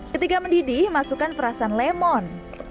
ketika mendidih masukkan perasan lemon